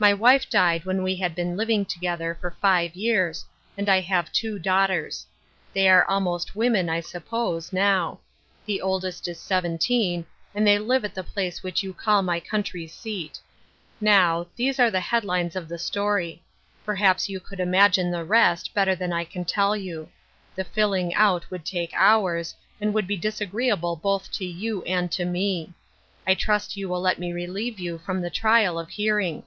My wife died when we had been ii^dng together for five years, and I have two daughters. They are almost women, I sup pose, now. The oldest is seventeen, and they live at the place which you call my country seat. 254 Ruth Erskine'% Crosses, Now, these are the headlines of the story. Per haps you could imagine the rest better than I can tell you. The filling out would take hours, and would be disagreeable both to you and to me. I trust you will let me relieve you from the trial of hearing.